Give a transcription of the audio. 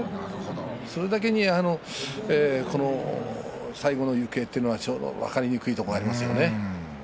それだけに最後の行方は分かりにくいところがありますよね。